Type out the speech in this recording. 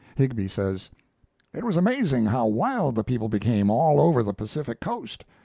Higbie says: It was amazing how wild the people became all over the Pacific coast.